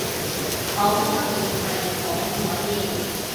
可摸耳係可唔可以